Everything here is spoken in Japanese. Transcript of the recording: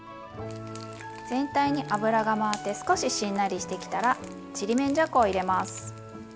全体に油が回って少ししんなりしてきたらちりめんじゃこを入れます。